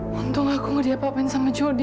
hai untuk aku diapain sama jodi